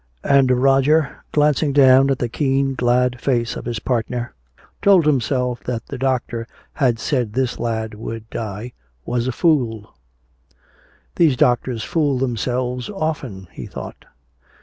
And Roger, glancing down at the keen glad face of his partner, told himself that the doctor who had said this lad would die was a fool. "These doctors fool themselves often," he thought.